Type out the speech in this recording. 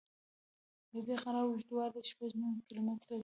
د دې غره اوږدوالی شپږ نیم کیلومتره دی.